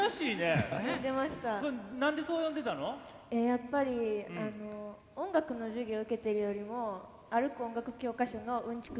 やっぱり音楽の授業受けてるよりも歩く音楽教科書のうんちく